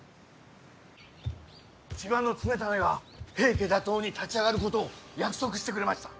千葉常胤が平家打倒に立ち上がることを約束してくれました。